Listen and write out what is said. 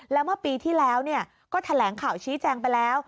แล้วเมื่อปีที่แล้วก็แถลงข่าวชี้แจงไปแล้ว